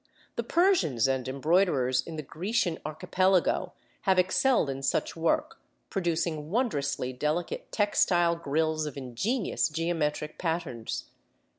The Persians and embroiderers in the Grecian Archipelago have excelled in such work, producing wondrously delicate textile grills of ingenious geometric patterns.